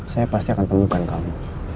saya pasti akan temukan kamu